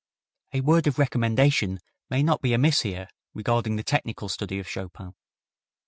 A word of recommendation may not be amiss here regarding the technical study of Chopin.